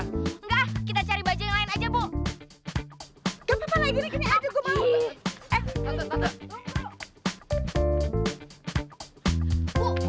engga kita cari bajaj yang lain aja bu